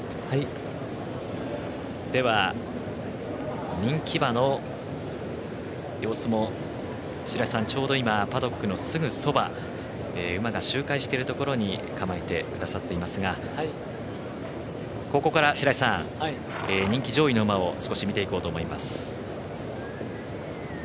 では、人気馬の様子も白井さん、ちょうどすぐそば馬が周回しているところに構えてくださっていますがここから、白井さん人気上位の馬を少し見ていこうと思います。